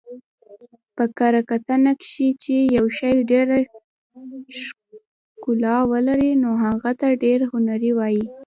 په کره کتنه کښي، چي یوشي ډېره ښکله ولري نو هغه ته ډېر هنري وايي.